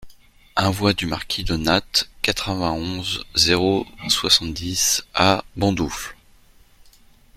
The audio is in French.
un voie du Marquis de Nattes, quatre-vingt-onze, zéro soixante-dix à Bondoufle